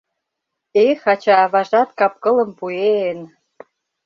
Эк, ача-аважат капкылым пуэн!